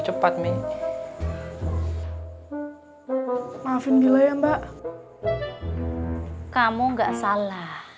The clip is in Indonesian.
cepat nih maafin gila ya mbak kamu nggak salah